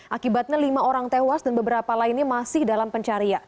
akibatnya lima orang tewas dan beberapa lainnya masih dalam pencarian